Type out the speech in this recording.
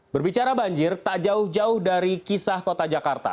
berbicara banjir tak jauh jauh dari kisah kota jakarta